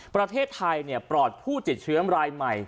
ประเทศไทยปลอดผู้ติดเชื้อรายใหม่